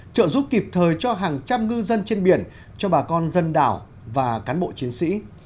trợ giúp kịp thời cho hàng trăm ngư dân trên biển cho bà con dân đảo và cán bộ chiến sĩ